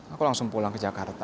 aku langsung pulang ke jakarta